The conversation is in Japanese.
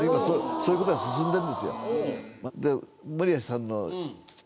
そういうことが進んでるんですよありましたね